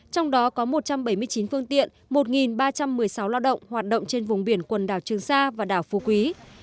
trong đó có một trăm bảy mươi chín phương tiện một ba trăm một mươi sáu lao động hoạt động trên vùng biển quần đảo trường sa và đảo phú quý